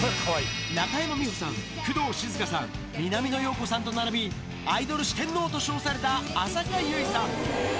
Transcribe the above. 中山美穂さん、工藤静香さん、南野陽子さんと並び、アイドル四天王と称された浅香唯さん。